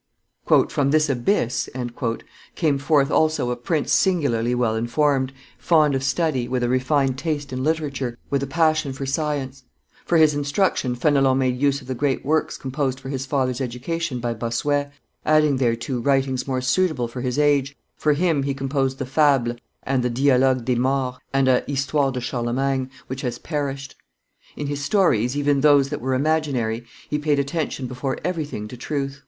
"From this abyss " came forth also a prince singularly well informed, fond of study, with a refined taste in literature, with a passion for science; for his instruction Fenelon made use of the great works composed for his father's education by Bossuet, adding thereto writings more suitable for his age; for him he composed the Fables and the Dialogues des Morts, and a Histoire de Charlemagne which has perished. In his stories, even those that were imaginary, he paid attention before everything to truth.